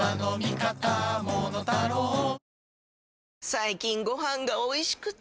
最近ご飯がおいしくて！